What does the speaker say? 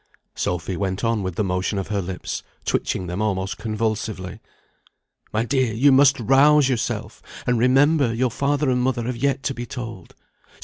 Sophy went on with the motion of her lips, twitching them almost convulsively. "My dear, you must rouse yourself, and remember your father and mother have yet to be told.